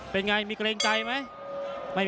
เป็นไงมีเกรงใจไหม